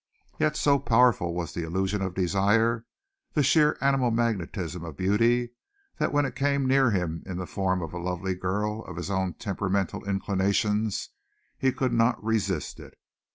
Yet so powerful was the illusion of desire, the sheer animal magnetism of beauty, that when it came near him in the form of a lovely girl of his own temperamental inclinations he could not resist it.